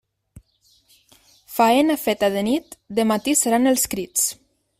Faena feta de nit, de matí seran els crits.